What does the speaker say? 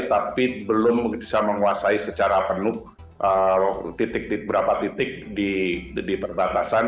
tapi belum bisa menguasai secara penuh titik berapa titik di perbatasan